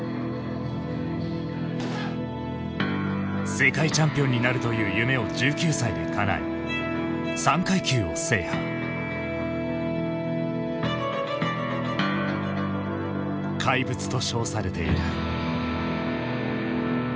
世界チャンピオンになるという夢を１９歳でかなえ「怪物」と称されている。